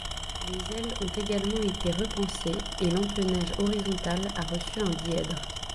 Les ailes ont également été repensées et l'empennage horizontal a reçu un dièdre.